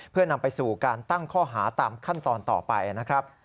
เพื่อนำไปสู่การตั้งข้อหาตามขั้นตอนต่อไปนะครับ